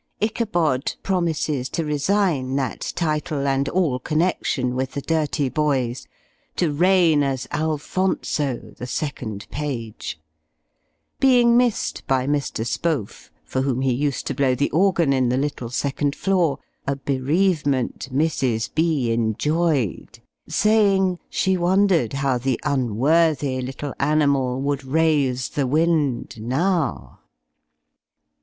"Ichabod" promises to resign that title and all connection with the dirty boys, to reign as Alphonso the second page; being missed by Mr. Spohf, for whom he used to blow the organ, in the little second floor a bereavement Mrs. B. enjoyed, saying, she wondered how the unworthy little animal would raise the wind now.